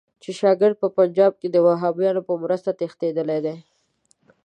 چې شاګردان په پنجاب کې د وهابیانو په مرسته تښتېدلي دي.